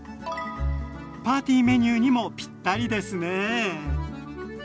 パーティーメニューにもぴったりですね。